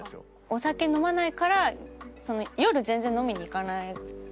お酒飲まないから夜全然飲みに行かなくて。